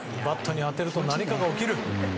バットに当てると何かが起きる。